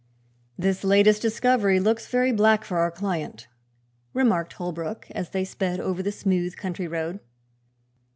"This latest discovery looks very black for our client," remarked Holbrook, as they sped over the smooth country road.